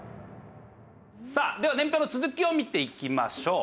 さあでは年表の続きを見ていきましょう。